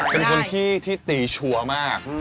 เป็นคนที่ตีชัวร์มาก